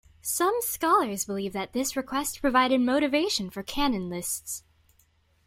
Some scholars believe that this request provided motivation for canon lists.